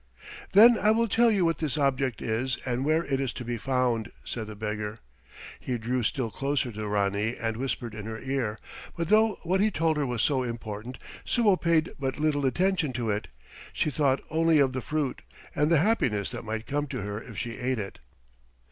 "Then I will tell you what this object is and where it is to be found," said the beggar. He drew still closer to the Ranee and whispered in her ear, but though what he told her was so important Suo paid but little attention to it; she thought only of the fruit, and the happiness that might come to her if she ate it.